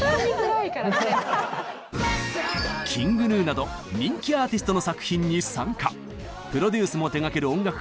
ＫｉｎｇＧｎｕなど人気アーティストの作品に参加プロデュースも手がける音楽